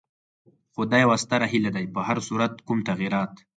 خو دا یوه ستره هیله ده، په هر صورت کوم تغیرات.